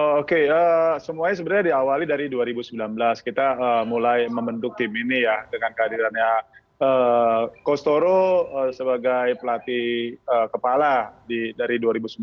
oke semuanya sebenarnya diawali dari dua ribu sembilan belas kita mulai membentuk tim ini ya dengan kehadirannya costoro sebagai pelatih kepala dari dua ribu sembilan belas